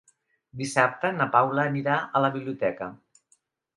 Dissabte na Paula anirà a la biblioteca.